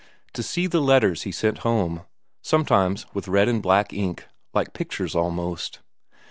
To see the letters he sent home sometimes with red and black ink, like pictures almost.